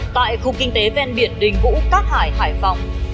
tại khu kinh tế ven biển đình vũ cát hải hải phòng